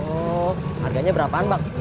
oh harganya berapaan bang